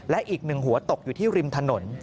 และอีกหนึ่งหัวตกอยู่ที่ริมถนน